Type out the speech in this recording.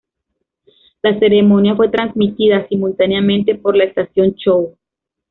La ceremonia fue transmitida simultáneamente por la estación Chou!